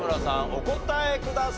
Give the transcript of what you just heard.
お答えください。